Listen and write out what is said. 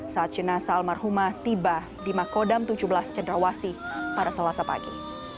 saat jenasa almarhumah tiba di makodam tujuh belas cendrawasi pada selasa pagi